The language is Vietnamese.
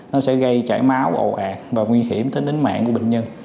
nó sẽ gây chảy máu ồ ạt và nguy hiểm đến đến mạng của bệnh nhân